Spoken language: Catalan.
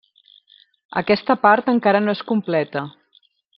Aquesta part encara no és completa.